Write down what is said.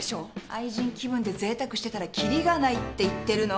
愛人気分でぜいたくしてたらキリがないって言ってるの！